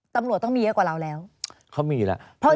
ตำรวจต้องมีเยอะกว่าเราแล้วเขามีแล้ว